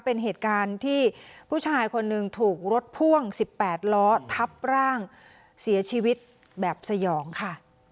เป็นเหตุการณ์ที่ผู้ชายคนหนึ่งถูกรถพ่วง๑๘ล้อทับร่างเสียชีวิตแบบสยองค่ะ